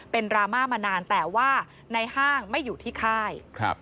เป็นดราม่ามานานแต่ว่าในห้างไม่อยู่ที่ค่าย